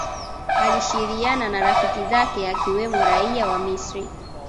alishiriiiana na rafiki zake akiwemo Raia wa Misri